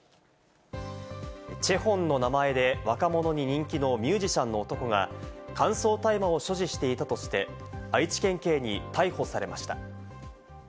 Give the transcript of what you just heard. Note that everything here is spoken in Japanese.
ＣＨＥＨＯＮの名前で、若者に人気のミュージシャンの男が、乾燥大麻を所持していたとして、愛知県警に逮捕されました。